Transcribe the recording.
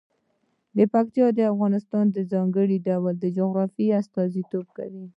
پکتیکا د افغانستان د ځانګړي ډول جغرافیه استازیتوب کوي.